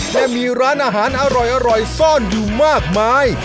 และมีร้านอาหารอร่อยซ่อนอยู่มากมาย